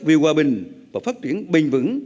vì hòa bình và phát triển bình vững